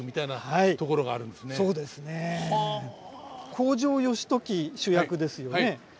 北条義時主役ですよね。